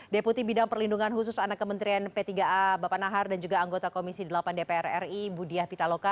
deputi bidang perlindungan khusus anak kementerian p tiga a bapak nahar dan juga anggota komisi delapan dpr ri budiah pitaloka